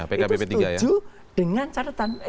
itu setuju dengan catatan